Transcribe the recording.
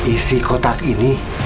isi kotak ini